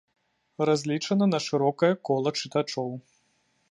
Разлічана на шырокае кола чытачоў.